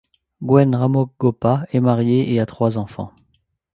Gwen Ramokgopa est mariée et a trois enfants.